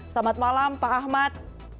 selamat malam pak ahmad